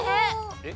えっ？